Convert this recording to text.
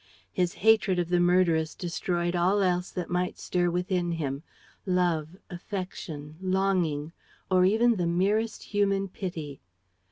His hatred of the murderess destroyed all else that might stir within him: love, affection, longing, or even the merest human pity.